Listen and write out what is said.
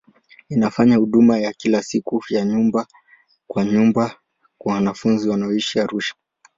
Inafanya huduma ya kila siku ya nyumba kwa nyumba kwa wanafunzi wanaoishi Arusha.